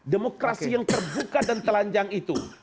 demokrasi yang terbuka dan telanjang itu